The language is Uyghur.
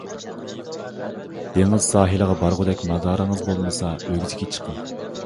دېڭىز ساھىلىغا بارغۇدەك مادارىڭىز بولمىسا ئۆگزىگە چىقىڭ.